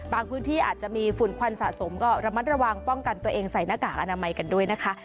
พื้นที่อาจจะมีฝุ่นควันสะสมก็ระมัดระวังป้องกันตัวเองใส่หน้ากากอนามัยกันด้วยนะคะ